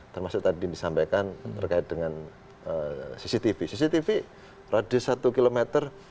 termasuk tadi disampaikan terkait dengan cctv cctv radius satu kilometer